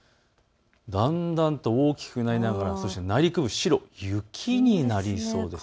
だんだんと大きくなりながら、そして内陸部、白、雪になりそうです。